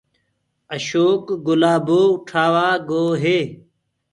اشوڪ گلآبو اُٺآوآ گوو هي